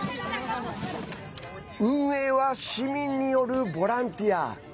運営は市民によるボランティア。